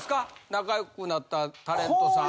仲良くなったタレントさん。